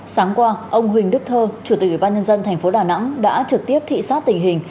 sáng qua ông huỳnh đức thơ chủ tịch ủy ban nhân dân thành phố đà nẵng đã trực tiếp thị xác tình hình